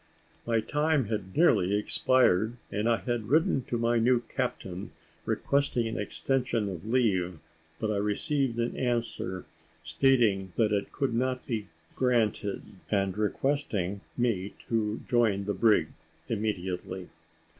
My time had nearly expired, and I had written to my new captain, requesting an extension of leave, but I received an answer stating that it could not be granted, and requesting me to join the brig immediately.